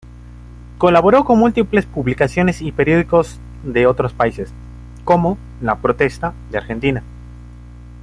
Colaboró con múltiples publicaciones y periódicos de otros países, como "La Protesta" de Argentina.